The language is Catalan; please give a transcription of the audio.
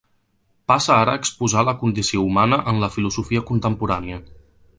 Passe ara a exposar la condició humana en la filosofia contemporània.